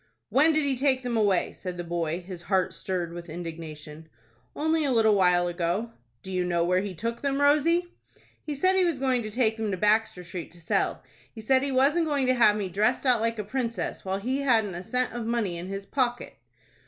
"When did he take them away?" said the boy, his heart stirred with indignation. "Only a little while ago." "Do you know where he took them, Rosie?" "He said he was going to take them to Baxter Street to sell. He said he wasn't going to have me dressed out like a princess, while he hadn't a cent of money in his pocket."